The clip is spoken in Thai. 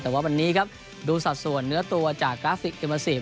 แต่ว่าวันนี้ครับดูสัดส่วนเนื้อตัวจากกราฟิกเอมาซีฟ